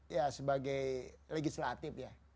ya sebagai legislatif ya